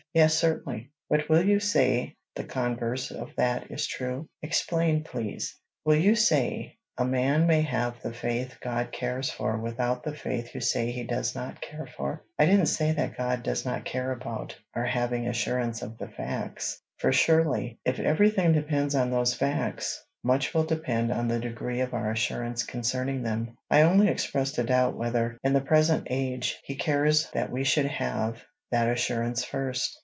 "Yes, certainly. But will you say the converse of that is true?" "Explain, please." "Will you say a man may have the faith God cares for without the faith you say he does not care for?" "I didn't say that God does not care about our having assurance of the facts; for surely, if every thing depends on those facts, much will depend on the degree of our assurance concerning them. I only expressed a doubt whether, in the present age, he cares that we should have that assurance first.